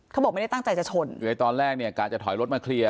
เขาบอกไม่ได้ตั้งใจจะชนคือไอ้ตอนแรกเนี่ยกะจะถอยรถมาเคลียร์